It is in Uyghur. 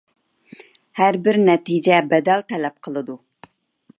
ھەربىر نەتىجە بەدەل تەلەپ قىلىدۇ.